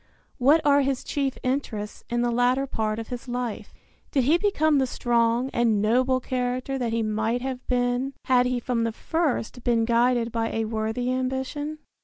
What are his chief interests in the latter part of his life? Did he become the strong and noble character that he might have been had he from the first been guided by a worthy ambition?